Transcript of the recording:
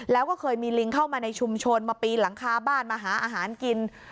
แล้วก็เคยมีลิงเข้ามาในชุมชนมาปีนหลังคาบ้านมาหาอาหารกิน